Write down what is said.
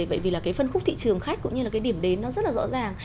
bởi vì là cái phân khúc thị trường khách cũng như là cái điểm đến nó rất là rõ ràng